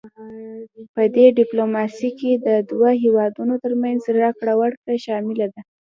پدې ډیپلوماسي کې د دوه هیوادونو ترمنځ راکړه ورکړه شامله ده